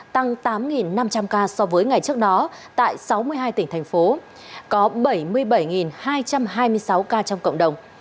tăng tám năm trăm linh ca so với ngày trước đó tại sáu mươi hai tỉnh thành phố có bảy mươi bảy hai trăm hai mươi sáu ca trong cộng đồng